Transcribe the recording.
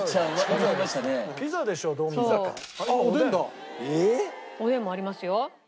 おでんもありますよ。